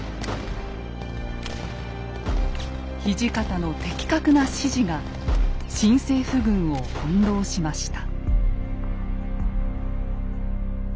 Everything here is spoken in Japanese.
土方の的確な指示が新政府軍を翻弄しました。